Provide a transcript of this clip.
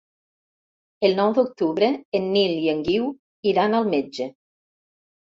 El nou d'octubre en Nil i en Guiu iran al metge.